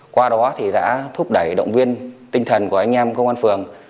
qua đó thì đã thúc đẩy động viên tinh thần của anh em công an phường